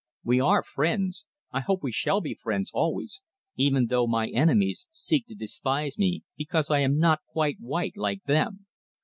We are friends; I hope we shall be friends always, even though my enemies seek to despise me because I am not quite white like them.